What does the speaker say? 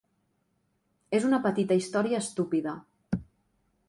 És una petita història estúpida.